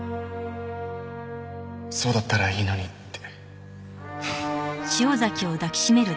そうだったらいいのにって。